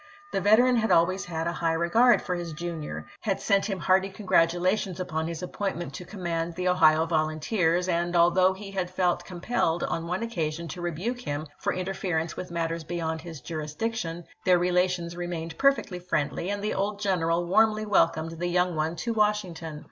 The veteran had always had a high regard for his junior, had sent him his hearty con gratulations upon his appointment to command the Ohio volunteers, and although he had felt com pelled on one occasion to rebuke him for interfer ence with matters beyond his jurisdiction, their relations remained perfectly friendly, and the old general warmly welcomed the young one to Wash ington.